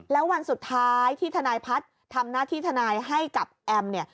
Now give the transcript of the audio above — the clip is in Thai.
แล้ววันสุดท้ายที่ทนายพัฒน์ทำหน้าที่ทนายให้กับแอมเนี่ย